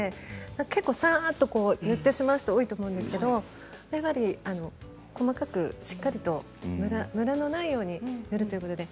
結構、ささっと塗ってしまう人が多いと思うんですが細かく、しっかりとムラのないように塗るということで。